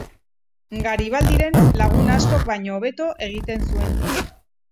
Garibaldiren lagun askok baino hobeto egiten zuen tiro.